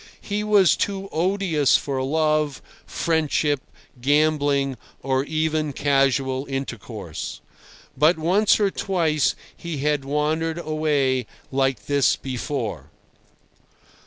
He was too odious for love, friendship, gambling, or even casual intercourse. But once or twice he had wandered away like this before.